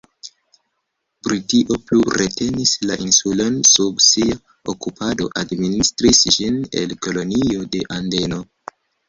Britio plu retenis la insulon sub sia okupado, administris ĝin el Kolonio de Adeno.